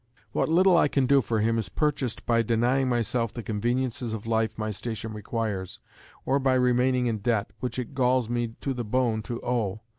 What little I can do for him is purchased by denying myself the conveniences of life my station requires, or by remaining in debt, which it galls me to the bone to owe.